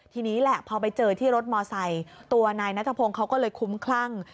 ทีนี้แหละพอไปเจอที่รถมอไซค์ตัวนายนัทพงศ์เขาก็เลยคุ้มคลั่ง